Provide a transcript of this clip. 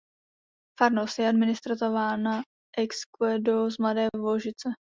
Farnost je administrována ex currendo z Mladé Vožice.